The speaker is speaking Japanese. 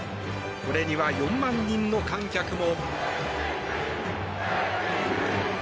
これには４万人の観客も。